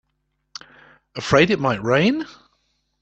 Afraid it might rain?